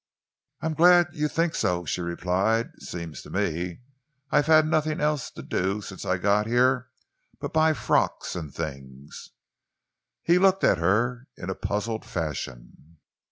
"I am glad you think so," she replied. "Seems to me I've had nothing else to do since I got here but buy frocks and things." He looked at her in a puzzled fashion.